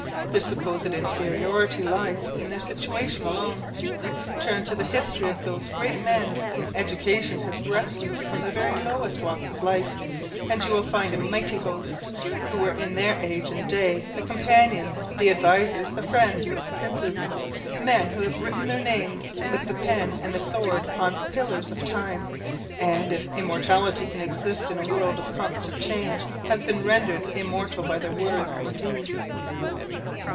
Their supposed inferiority lies in their situation alone. Turn to the history of those great men whom education has rescued from the very lowest walks of life, and you will find a mighty host, who were in their age and day the companions, the advisers, the friends of princes men who have written their names with the pen and sword upon the pillars of time, and, if immortality can exist in a world of constant change, have been rendered immortal by their words or deeds.